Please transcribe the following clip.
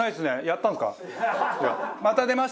やったんすか？